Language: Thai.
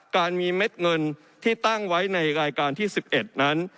การมีเม็ดเงินที่ตั้งไว้ในรายการที่๑๑นั้น